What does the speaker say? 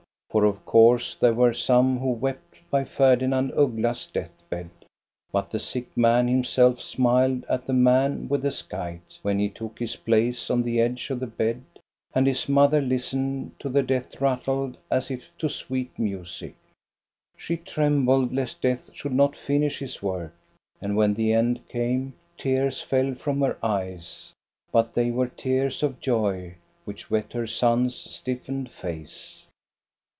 For of course there were some who wept by Ferdinand Uggla's deathbed ; but the sick man himself smiled at the man with the scythe, when he took his place on the edge of the bed, and his mother listened to the death rattle as if to sweet music. She trembled lest Death should not finish his work ; and when the end came, tears fell from her eyes, but they were tears of joy which wet her son's stiffened face.